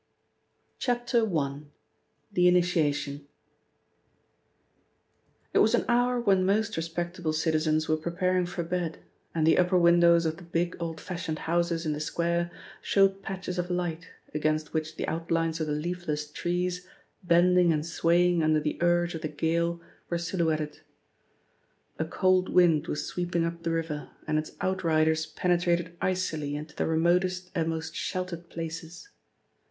I. — THE INITIATION IT was an hour when most respectable citizens were preparing for bed, and the upper windows of the big, old fashioned houses in the square showed patches of light, against which the outlines of the leafless trees, bending and swaying under the urge of the gale, were silhouetted. A cold wind was sweeping up the river, and its outriders penetrated icily into the remotest and most sheltered places.